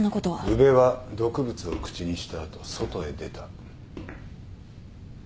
宇部は毒物を口にした後外へ出た。